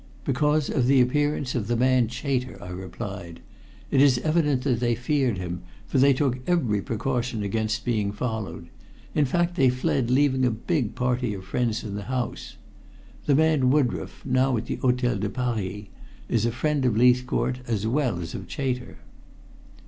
"Because of the appearance of the man Chater," I replied. "It is evident that they feared him, for they took every precaution against being followed. In fact, they fled leaving a big party of friends in the house. The man Woodroffe, now at the Hotel de Paris, is a friend of Leithcourt as well as of Chater."